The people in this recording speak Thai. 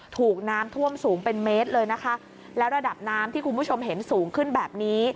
ถูกน้ำท่วมสูงเป็นเมตรเลยนะคะแล้วระดับน้ำที่คุณผู้ชมเห็นสูงขึ้นแบบนี้